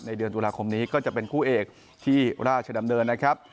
เดือนตุลาคมนี้ก็จะเป็นคู่เอกที่ราชดำเนินนะครับ